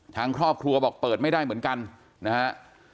ทางครอบครัวบอกเปิดไม่ได้เหมือนกันนะฮะ